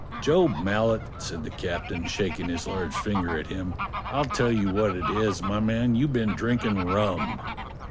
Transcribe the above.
"Job Mallet," said the captain, shaking his large finger at him, "I'll tell you what it is, my man: you've been drinking rum."